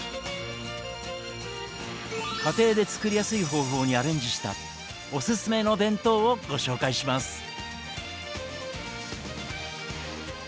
家庭で作りやすい方法にアレンジしたおすすめの弁当をご紹介します。